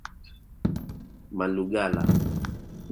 Malugala